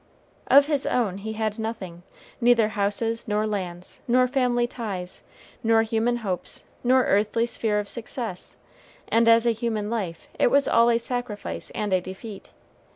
Of his own, he had nothing, neither houses, nor lands, nor family ties, nor human hopes, nor earthly sphere of success; and as a human life, it was all a sacrifice and a defeat.